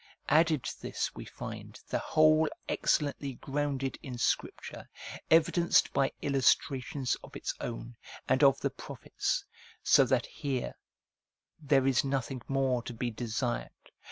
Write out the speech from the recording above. Added to this [we find] the whole excellently grounded in Scripture, evidenced by illustrations of its own, and of the prophets, so that, here, there is nothing more to be desired.